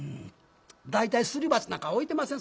大体すり鉢なんか置いてません